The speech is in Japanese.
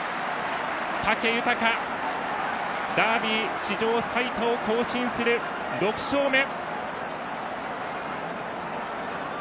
武豊ダービー史上最多を更新する６勝目。